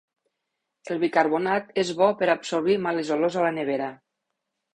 El bicarbonat és bo per absorbir males olors a la nevera.